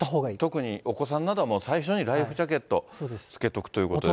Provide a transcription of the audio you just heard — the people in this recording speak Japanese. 特にお子さんなどは、最初にライフジャケットを着けておくということですね。